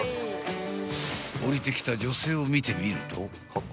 ［降りてきた女性を見てみると］